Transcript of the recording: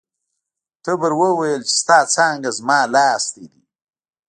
تبر وویل چې ستا څانګه زما لاستی دی.